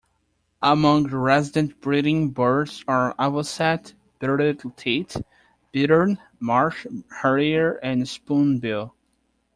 Among resident breeding birds are avocet, bearded tit, bittern, marsh harrier and spoonbill.